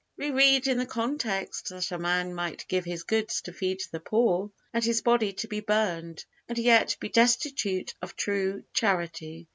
We read in the context that a man might give his goods to feed the poor, and his body to be burned, and yet be destitute of true Charity.